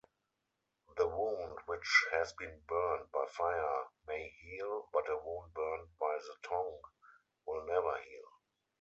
The wound which has been burnt by fire may heal, but a wound burnt by the tongue will never heal.